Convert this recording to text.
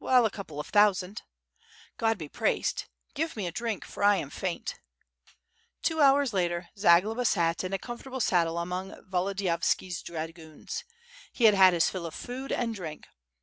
"Well, a couple of thousand." "God be praised! Give me a drink, for I am faint." Two hours later Zagloba sat in a comfortable saddle among Volodiyovski's dragoons. He had had his fill of food and drink.